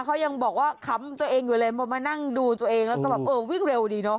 เขายังบอกว่าขำตัวเองอยู่เลยมานั่งดูตัวเองแล้วก็แบบเออวิ่งเร็วดีเนอ